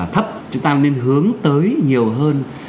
thấp chúng ta nên hướng tới nhiều hơn